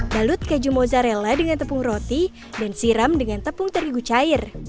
balut keju mozzarella dengan tepung roti dan siram dengan tepung terigu cair